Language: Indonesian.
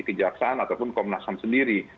kejaksaan ataupun komnas ham sendiri